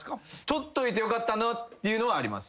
取っといてよかったなっていうのはあります。